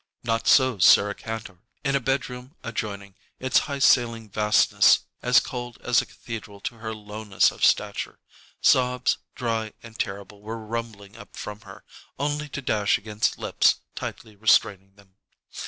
Not so Sarah Kantor. In a bedroom adjoining, its high ceilinged vastness as cold as a cathedral to her lowness of stature, sobs dry and terrible were rumbling up from her, only to dash against lips tightly restraining them.